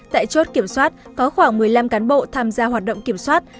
tại chốt kiểm soát có khoảng một mươi năm cán bộ tham gia hoạt động kiểm soát